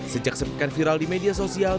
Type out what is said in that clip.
sejak sepekan viral di media sosial